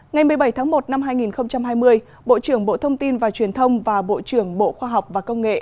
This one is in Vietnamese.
ngày một mươi bảy tháng một năm hai nghìn hai mươi bộ trưởng bộ thông tin và truyền thông và bộ trưởng bộ khoa học và công nghệ